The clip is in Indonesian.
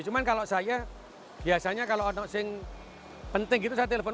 cuma kalau saya biasanya kalau ono sing penting gitu saya telepon